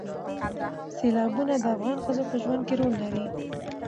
سیلابونه د افغان ښځو په ژوند کې رول لري.